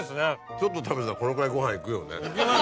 ちょっと食べたらこのくらいご飯いくよね。